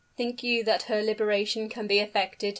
"Think you that her liberation can be effected?"